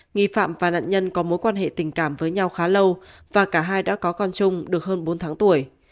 nghi phạm và nạn nhân có mối quan hệ tình cảm với nhau khá lâu và cả hai đã có con chung được hơn bốn tháng tuổi